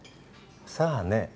さあね。